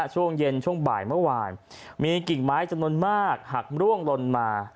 ช่วงเย็นช่วงบ่ายเมื่อวานมีกิ่งไม้จำนวนมากหักร่วงลนมา